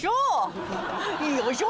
よいしょ！